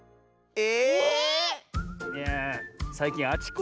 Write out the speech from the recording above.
え？